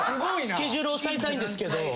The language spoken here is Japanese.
スケジュール押さえたいんですけど。